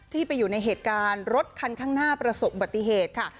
ที่ไปอยู่ในเหตุการณ์รถคันข้างหน้าประสบบัติเหตุค่ะ